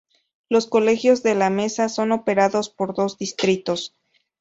Los colegios en La Mesa son operados por dos distritos.